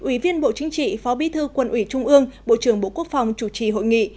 ủy viên bộ chính trị phó bí thư quân ủy trung ương bộ trưởng bộ quốc phòng chủ trì hội nghị